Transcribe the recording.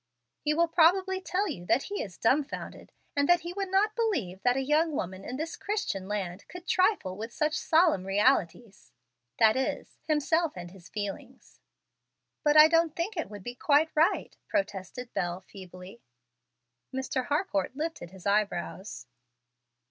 He will probably tell you that he is dumbfounded, and that he would not believe that a young woman in this Christian land could trifle with such solemn realities, that is, himself and his feelings." "But I don't think it would be quite right," protested Bel, feebly. Mr. Harcourt lifted his eyebrows.